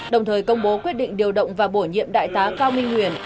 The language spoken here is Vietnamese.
đồng thời công bố quyết định điều động và bổ nhiệm đại tá cao minh huyền